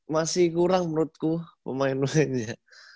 masih kurang menurutku pemain pemainnya